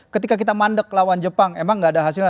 ketika kita mandek lawan jepang emang gak ada hasilnya